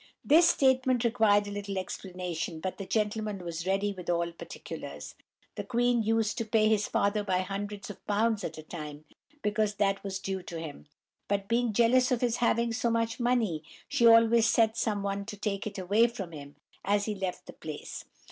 This statement required a little explanation, but the gentleman was ready with all particulars. The queen used to pay his father by hundreds of pounds at a time, because that was due to him, but being jealous of his having so much money, she always set some one to take it away from him as he left the place!